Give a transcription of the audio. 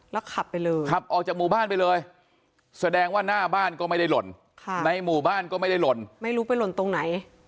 แล้วขับไปเลยขับออกจากหมู่บ้านไปเลยแสดงว่าหน้าบ้านก็ไม่ได้หล่นในหมู่บ้านก็ไม่ได้หล่นไม่รู้ไปหล่นตรงไหน